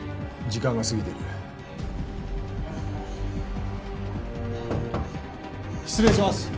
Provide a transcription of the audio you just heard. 時間が過ぎてる失礼します！